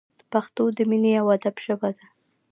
پښتو د مینې او ادب ژبه ده!